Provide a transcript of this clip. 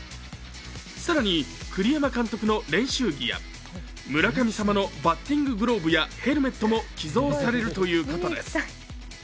更に栗山監督の練習着や村神様のバッティンググローブやヘルメットも寄贈されるということです。